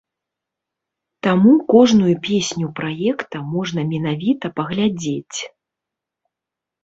Таму кожную песню праекта можна менавіта паглядзець.